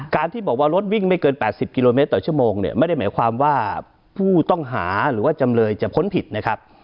การที่บอกว่ารถวิ่งไม่เกิน๘๐กิโลเมตรต่อชั่วโมงไม่ได้หมายความว่าผู้ต้องหาจะพ้นผิดนะครับ